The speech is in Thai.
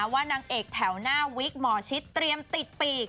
นางเอกแถวหน้าวิกหมอชิดเตรียมติดปีก